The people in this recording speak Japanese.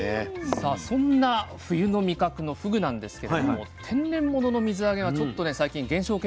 さあそんな冬の味覚のふぐなんですけれども天然物の水揚げがちょっとね最近減少傾向にあるんですね。